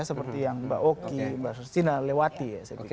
seperti yang mbak oki mbak sursina lewati